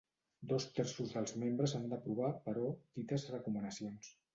Dos terços dels membres han d'aprovar, però, dites recomanacions.